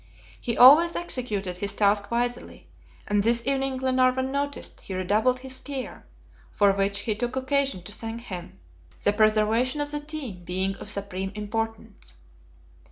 He always executed his task wisely, and this evening Glenarvan noticed he redoubled his care, for which he took occasion to thank him, the preservation of the team being of supreme importance.